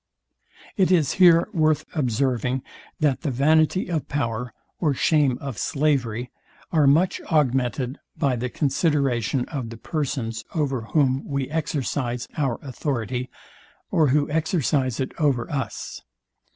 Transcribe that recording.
It is here worth observing, that the vanity of power, or shame of slavery, are much augmented by the consideration of the persons, over whom we exercise our authority, or who exercise it over us.